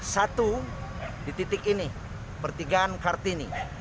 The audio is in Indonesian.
satu di titik ini pertigaan kartini